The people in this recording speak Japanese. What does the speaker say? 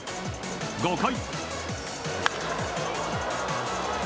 ５回。